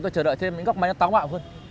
tôi chờ đợi thêm những góc máy nó táo mạo hơn